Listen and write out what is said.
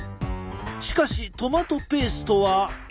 しかしトマトペーストは。